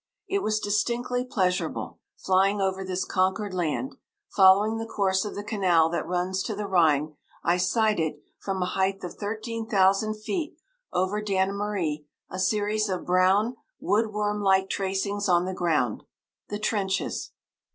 It was distinctly pleasurable, flying over this conquered land. Following the course of the canal that runs to the Rhine, I sighted, from a height of 13,000 feet over Dannemarie, a series of brown, woodworm like tracings on the ground the trenches!